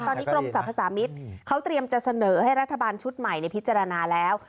ตอนนี้กรมสรรพสามิตรเขาเตรียมจะเสนอให้รัฐบาลชุดใหม่ในพิจารณาแล้ว